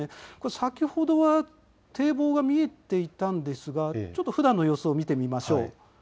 先ほどは堤防が見えていたんですがちょっとふだんの様子を見てみましょう。